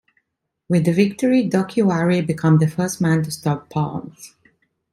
With the victory Dokiwari became the first man to stop Palms.